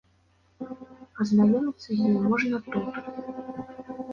Азнаёміцца з ёй можна тут.